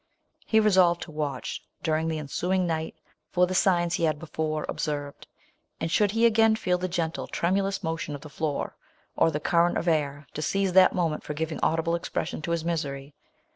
He resolved to watch, during the en suing night, for the signs he had be fore observed ; and should he again feel the gentle, tremulous motion of the floor, or the current of air, to seize that moment for giving audible expression to his misery.